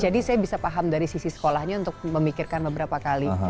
saya bisa paham dari sisi sekolahnya untuk memikirkan beberapa kali